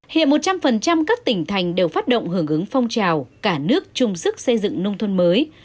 hiện một trăm linh các tỉnh thành đều phát động hưởng ứng phong trào cả nước chung sức xây dựng nông thôn mới